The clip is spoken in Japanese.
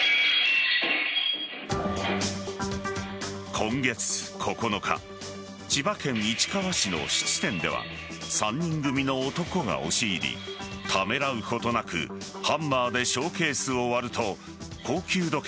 今月９日千葉県市川市の質店では３人組の男が押し入りためらうことなくハンマーでショーケースを割ると高級時計